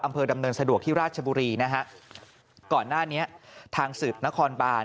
อำเภอดำเนินสะดวกที่ราชบุรีนะฮะก่อนหน้านี้ทางสืบนครบาน